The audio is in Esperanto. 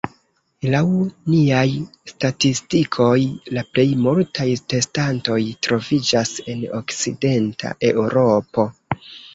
Laŭ niaj statikistoj, la plej multaj testantoj troviĝas en okcidenta Eŭropo.